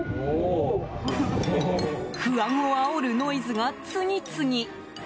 不安をあおるノイズが次々。